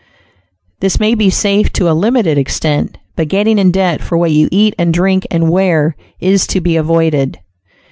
This may be safe to a limited extent, but getting in debt for what you eat and drink and wear is to be avoided.